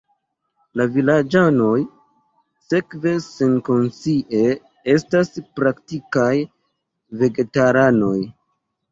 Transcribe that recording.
La vilaĝanoj sekve senkonscie estas praktikaj vegetaranoj.